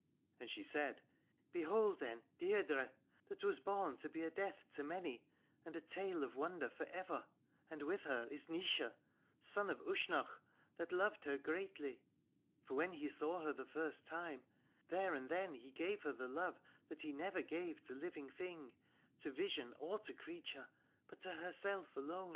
And she said: Behold then Deirdre, that was born to be a death to many and a tale of wonder for ever. And with her is Naoise, son of Usnach, that loved her greatly. For when he saw her the first time, there and then he gave her the love that he never gave to living thing, to vision, or to creature, but to herself alone.